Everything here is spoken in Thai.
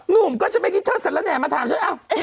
นุ่มก็ใช่ไหมที่เธอเสร็จแล้วแหน่งมาถามฉันเอ้า